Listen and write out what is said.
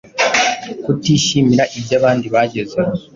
Kutishimira iby’abandi bagezeho.